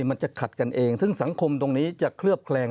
มันจะขัดกันเองซึ่งสังคมตรงนี้จะเคลือบแคลง